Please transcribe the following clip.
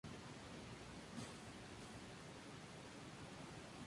Esa es la intención de este artículo".